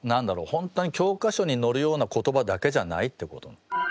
本当に教科書に載るような言葉だけじゃないっていうこと。